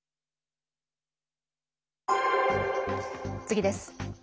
次です。